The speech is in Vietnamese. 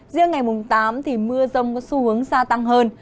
riêng ngày mùng tám thì mưa rông có xu hướng gia tăng hơn